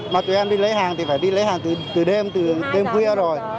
mà tụi em đi lấy hàng thì phải đi lấy hàng từ đêm từ đêm khuya rồi